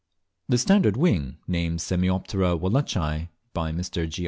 The Standard Wing, named Semioptera wallacei by Mr. G.